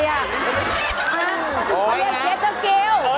เขาเรียกเจ็ตเจ้ากิ้ว